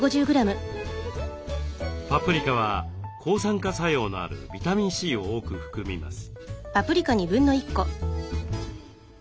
パプリカは抗酸化作用のあるビタミンＣを多く含みます。